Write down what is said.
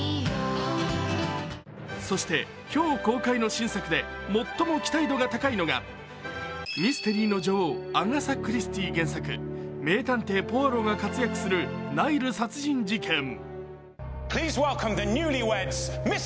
そして今日公開の新作で最も期待度が高いのがミステリーの女王、アガサ・クリスティ原作、名探偵ポアロが活躍する「ナイル殺人事件」。